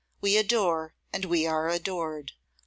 We adore and we are adored.